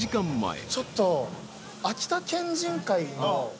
ちょっと。